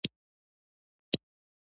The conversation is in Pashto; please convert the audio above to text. پته نه لګي دا سبزي ده